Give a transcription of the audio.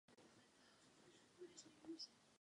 Ta se nacházela vedle fary.